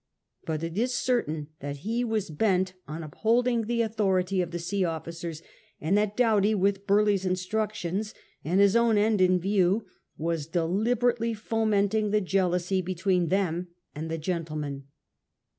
But it is certain that he was bent on upholding the authority of the sea officers, and that Doughty, with Burleigh's instructions and his own end in view, was deliberately fomenting the jealousy between them and the gentlemen.